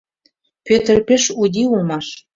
Пӧтыр пеш уди улмаш.